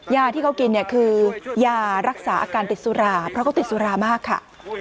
ยาที่เขากินเนี่ยคือยารักษาอาการติดสุราเพราะเขาติดสุรามากค่ะ